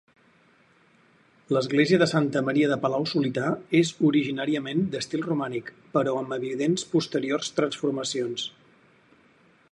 L’església de Santa Maria de Palau-solità és originàriament d’estil romànic però amb evidents posteriors transformacions.